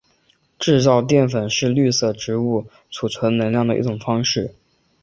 制造淀粉是绿色植物贮存能量的一种方式。